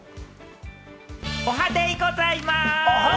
おはデイございます！